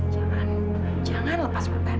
jangan jangan lepas perben